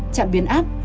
chạm biến áp